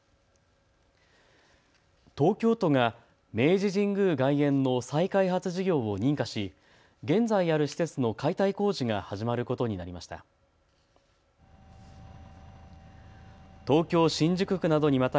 東京都が明治神宮外苑の再開発事業を認可し現在ある施設の解体工事が始まることになりました。